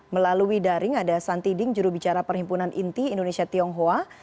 melalui daring ada santi ding jurubicara perhimpunan inti indonesia tionghoa